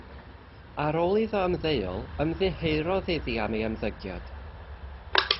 Ar ôl iddo ymddeol ymddiheurodd iddi am ei ymddygiad.